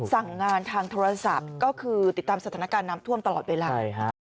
สั่งงานทางโทรศัพท์ก็คือติดตามสถานการณ์น้ำท่วมตลอดเวลาใช่ฮะ